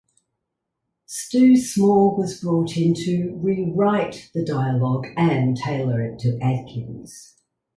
Stu Small was brought in to rewrite the dialogue and tailor it to Adkins.